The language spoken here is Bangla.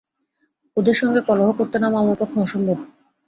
ওদের সঙ্গে কলহ করতে নামা আমার পক্ষে অসম্ভব।